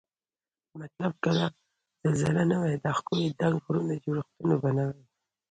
مطلب که زلزلې نه وای دا ښکلي دنګ غرني جوړښتونه به نوای